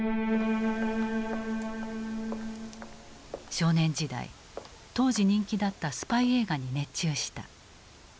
少年時代当時人気だったスパイ映画に熱中した。